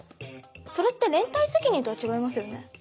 それって連帯責任とは違いますよね？